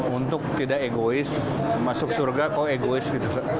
untuk tidak egois masuk surga kok egois gitu